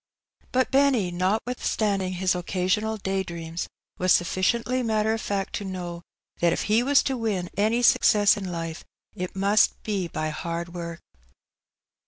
Bat Behny^ notwithstanding his occasional day dreams^ was sufficiently matter of fact to know that if he was to win any success in life, it must be by hard work.